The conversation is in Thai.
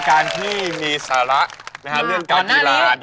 สามารถรับชมได้ทุกวัย